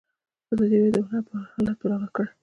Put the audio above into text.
ازادي راډیو د هنر حالت په ډاګه کړی.